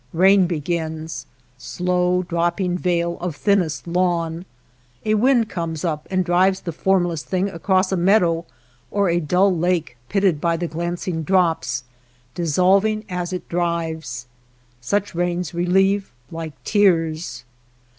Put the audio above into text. Rain begins, " slow dropping veil of thinnest lawn ;" a wind comes up and drives the formless thing across a meadow, or a dull lake pit ted by the glancing drops, dissolving as it drives. Such rains relieve like tears.